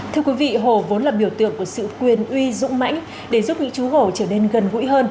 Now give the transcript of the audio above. thưa quý vị hồ vốn là biểu tượng của sự quyền uy dũng mãnh để giúp những chú gổ trở nên gần gũi hơn